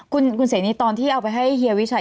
คุณเสนีตอนที่เอาไปให้เฮียวิชัย